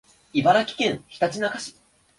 茨城県ひたちなか市